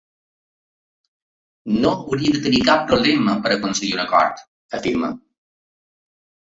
No hauríem de tenir cap problema per a aconseguir un acord, afirma.